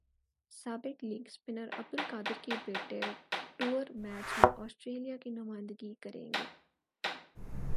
سابق leg spinner Abdul Qadir کے بیٹے ٹورمیچ میں اسٹریلیا کی نمائندگی کریں گے